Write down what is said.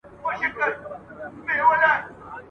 د ښځي د راویښولو لومړنی زېری